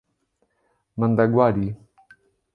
Mandaguari